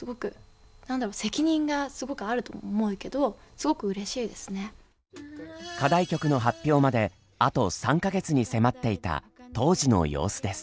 すごく何だろ課題曲の発表まであと３か月に迫っていた当時の様子です。